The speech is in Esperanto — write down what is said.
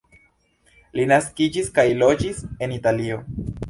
Li naskiĝis kaj loĝis en Italio.